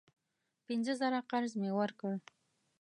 پینځه زره قرض مې ورکړ.